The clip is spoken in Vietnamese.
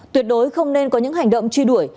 tuyệt đối không nên có những hành động truy đuổi